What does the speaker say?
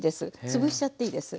潰しちゃっていいです。